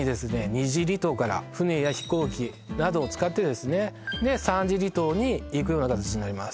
２次離島から船や飛行機などを使ってですねで３次離島に行くようなかたちになります